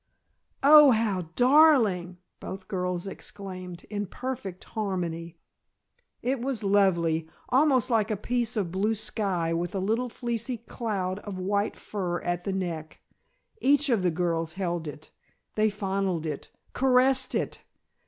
"Oh! How darling!" both girls exclaimed in perfect harmony. It was lovely. Almost like a piece of blue sky with a little fleecy cloud of white fur at the neck. Each of the girls held it; they fondled it, caressed it.